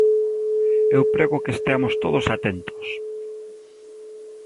Eu prego que esteamos todos atentos.